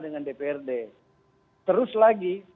dengan dprd terus lagi